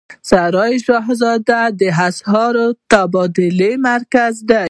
د سرای شهزاده د اسعارو تبادلې مرکز دی